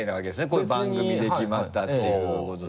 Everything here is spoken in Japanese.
こういう番組で決まったっていうことで。